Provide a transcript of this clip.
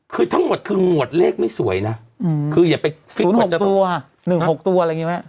คือทั้งหมดคือหมวดเลขไม่สวยนะคืออย่าไปฟิต๖ตัว๑๖ตัวอะไรอย่างนี้ไหม